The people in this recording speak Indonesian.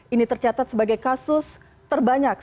ini tercatat sebagai kasus terbanyak